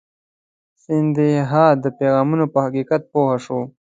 سیندهیا د پیغام په حقیقت پوه شو.